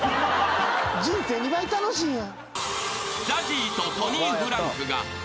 人生２倍楽しいやん。